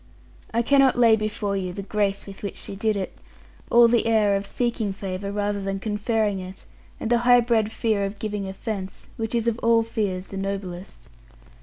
I cannot lay before you the grace with which she did it, all the air of seeking favour, rather than conferring it, and the high bred fear of giving offence, which is of all fears the noblest.